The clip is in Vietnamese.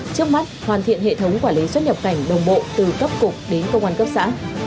trước mắt hoàn thiện hệ thống quản lý xuất nhập cảnh đồng bộ từ cấp cục đến công an cấp xã